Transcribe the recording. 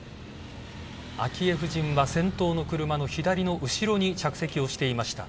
昭恵夫人は先頭の車の左の後ろに着席をしていました。